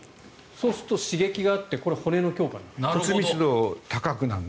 そうすると刺激があってこれが骨の強化になる。